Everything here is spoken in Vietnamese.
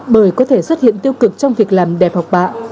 bởi có thể xuất hiện tiêu cực trong việc làm đẹp học bạ